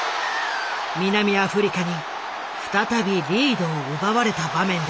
南アフリカに再びリードを奪われた場面だ。